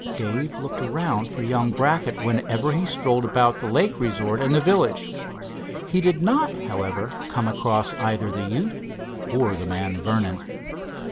Dave looked around for young Brackett whenever he strolled about the lake resort and the village. He did not, however, come across either the youth or the man Vernon.